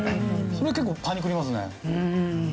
それ結構パニクりますね。